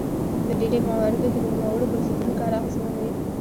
په ډیری مواردو کې د نوموړو بنسټونو کار اغیزمن وي.